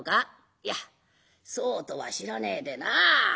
いやそうとは知らねえでな」。